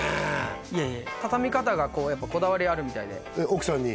いえいえ畳み方がこだわりあるみたいで奥さんに？